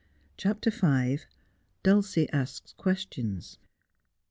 CHAPTER Y DULC1E ASKS QUESTIONS.